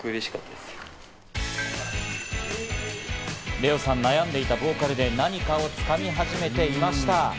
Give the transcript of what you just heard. レオさん、悩んでいたボーカルで何かを掴み始めていました。